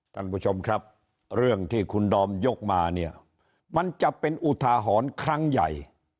ท่านผู้ชมครับเรื่องที่คุณดอมยกมาเนี่ยมันจะเป็นอุทาหรณ์ครั้งใหญ่